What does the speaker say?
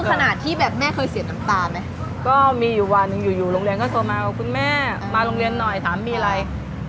ขนาดที่แบบแม่เคยเสียต่ำตาไหม